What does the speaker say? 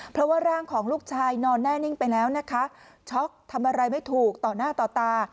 เพราะว่าร่างของลูกชายนอนแน่นิ่งไปแล้วนะคะช็อกทำอะไรไม่ถูกต่อหน้าต่อตา